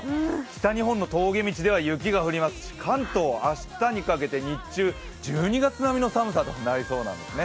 北日本の峠道では雪が降りますし関東、明日にかけて日中、１２月並みの寒さとなりそうです。